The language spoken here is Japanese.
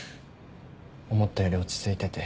思ったより落ち着いてて。